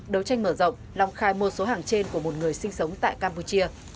đấu tranh mở rộng long khai một số hàng trên của một người sinh sống tại campuchia